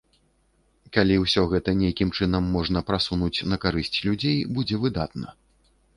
Калі ўсё гэта нейкім чынам можна прасунуць на карысць людзей, будзе выдатна.